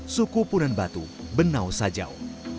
suku punan batu benau sajau